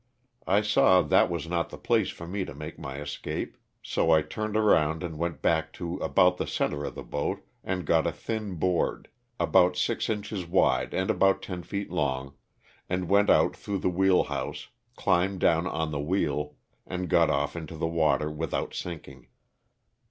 I saw that was not the place for me to make my escape, so I turned around and went back to about the center of the boat and got a thin board — about six inches wide and about ten feet long — and went out through the wheel house, climbed down on the wheel, and got off into the water without sinking.